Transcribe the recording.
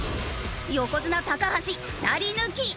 横綱橋２人抜き。